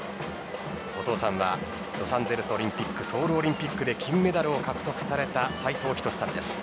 お父さんはロサンゼルスオリンピックソウルオリンピックで金メダルを獲得された斉藤仁さんです。